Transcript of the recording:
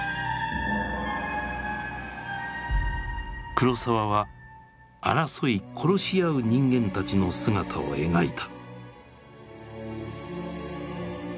黒澤は争い殺し合う人間たちの姿を描いた。